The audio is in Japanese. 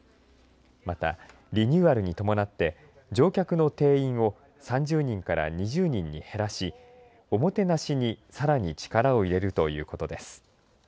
また、リニューアルに伴って乗客の定員を３０人から２０人に減らしおもてなしにさらに力を入れるということです。